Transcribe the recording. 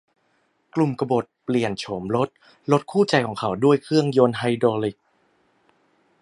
กลุ่มกบฏเปลี่ยนโฉมรถรถคู่ใจของเขาด้วยเครื่องยนต์ไฮดรอลิค